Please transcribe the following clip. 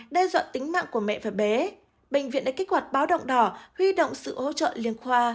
đe dọa tính mạng của mẹ và bé bệnh viện đã kích hoạt báo động đỏ huy động sự hỗ trợ liên khoa